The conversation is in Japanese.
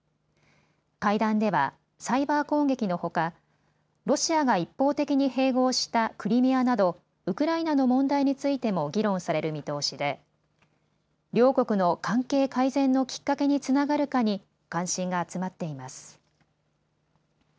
会談ではサイバー攻撃のほかロシアが一方的に併合したクリミアなどウクライナの問題についても議論される見通しで両国の関係改善のきっかけにつながるかに関心が集まっています。